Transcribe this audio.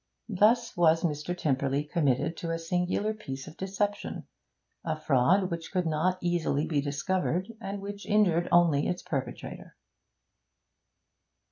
Thus was Mr. Tymperley committed to a singular piece of deception, a fraud which could not easily be discovered, and which injured only its perpetrator.